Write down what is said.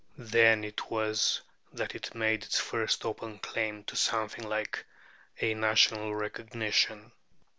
Then it was that it made its first open claim to something like a national recognition.